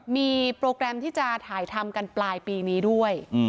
มีโปรแกรมที่จะถ่ายทำกันปลายปีนี้ด้วย